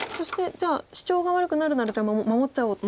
じゃあシチョウが悪くなるならじゃあ守っちゃおうと。